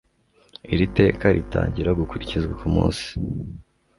iri teka ritangira gukurikizwa ku munsi